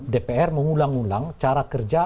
dpr mengulang ulang cara kerja